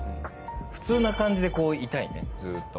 普通な感じでいたいねずーっと。